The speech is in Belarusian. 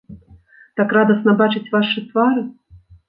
Так радасна бачыць вашы твары!